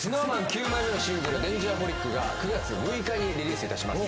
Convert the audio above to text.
９枚目のシングル「Ｄａｎｇｅｒｈｏｌｉｃ」が９月６日にリリースいたします